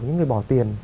những người bỏ tiền